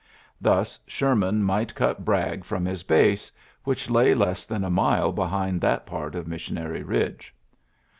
Thus Sherman might cut Bragg from his base, which lay less than a mile behind that part of Missionary Bidge.